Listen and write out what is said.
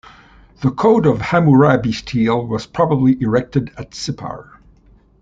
The Code of Hammurabi stele was probably erected at Sippar.